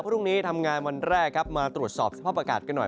พรุ่งนี้ทำงานวันแรกครับมาตรวจสอบสภาพอากาศกันหน่อย